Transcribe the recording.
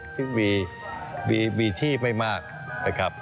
ซึ่งมีที่ไม่มากนะครับ